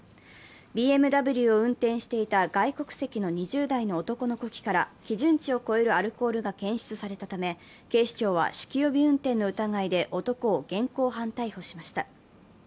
ＢＭＷを運転していた外国籍の２０代の男の呼気から基準値を超えるアルコールが検出されたため警視庁は酒気帯び運転の疑いで男を現行犯逮捕しました。